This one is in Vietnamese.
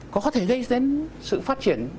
có thể gây đến sự phát triển